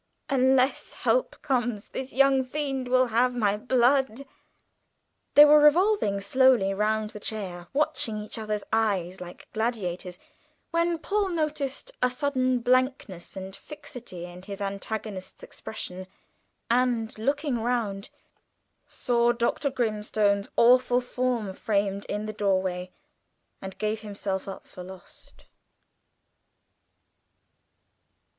"Unless help comes this young fiend will have my blood!" They were revolving slowly round the chair, watching each other's eyes like gladiators, when Paul noticed a sudden blankness and fixity in his antagonist's expression, and, looking round, saw Dr. Grimstone's awful form framed in the doorway, and gave himself up for lost.